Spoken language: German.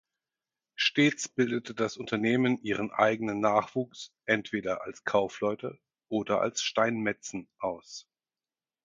Stets bildete das Unternehmen ihren eigenen Nachwuchs entweder als Kaufleute oder als Steinmetzen aus.